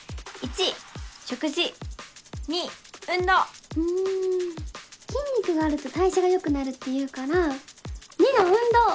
１食事２運動うん筋肉があると代謝がよくなるっていうから２の運動！